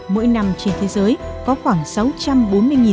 mỗi năm trên thế giới có khoảng sáu trăm bốn mươi tấn ngư cụ bị bỏ lại trên biển